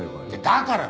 だから！